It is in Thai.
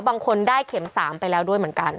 บางคนได้เข็ม๓ไปแล้วด้วยเหมือนกัน